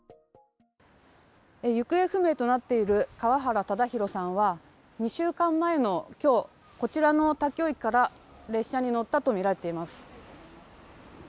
行方不明となっている川原唯滉さんは２週間前の今日こちらの田京駅から列車に乗ったとみられています。